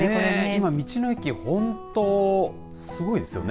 今、道の駅本当すごいですよね。